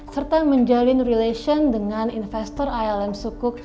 serta menjalin relation dengan investor alm sukuk